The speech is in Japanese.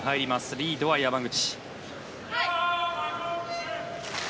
リードは山口。